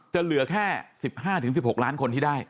เหลือแค่๑๕๑๖ล้านคนที่ได้